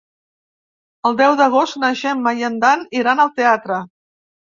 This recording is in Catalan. El deu d'agost na Gemma i en Dan iran al teatre.